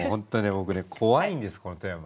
僕ね怖いんですこのテーマ。